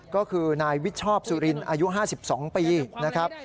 ก็คือนายวิชชอบสุรินอายุ๕๒ปีนะครับ